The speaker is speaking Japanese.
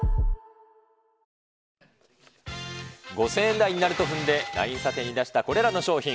５０００円台になると踏んで、ＬＩＮＥ査定に出したこれらの商品。